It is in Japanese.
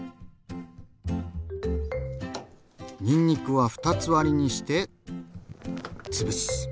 にんにくは２つ割りにしてつぶす。